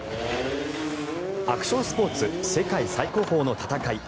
アクションスポーツ世界最高峰の戦い